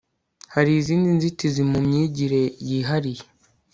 hari izindi nzitizi mu myigire yihariye